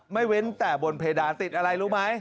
เว้นแต่บนเพดานติดอะไรรู้ไหม